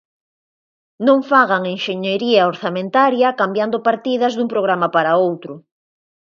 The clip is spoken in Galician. Non fagan enxeñería orzamentaria cambiando partidas dun programa para outro.